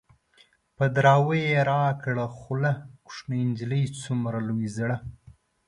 په دراوۍ يې راکړه خوله - کوشنی نجلۍ څومره لوی زړه